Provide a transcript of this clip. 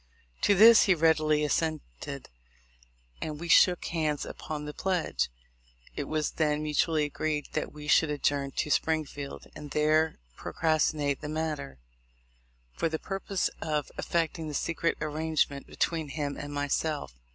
To this he readily assented, and we shook hands upon the pledge. It was then mutually agreed that we should adjourn to Springfield, and there procrastinate the matter, for the purpose of effecting the secret arrangement between him and myself.